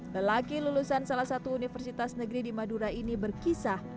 lelaki lulusan salah satu universitas negeri di madura ini berkisah